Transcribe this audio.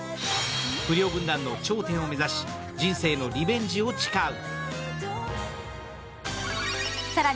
不良軍団の頂点を目指し、人生のリベンジを誓う。